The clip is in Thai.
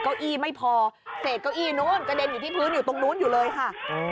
เก้าอี้ไม่พอเศษเก้าอี้นู้นกระเด็นอยู่ที่พื้นอยู่ตรงนู้นอยู่เลยค่ะ